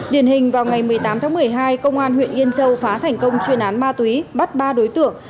điển hình vào ngày một mươi tám tháng một mươi hai công an huyện yên châu phá thành công chuyên án ma túy bắt ba đối tượng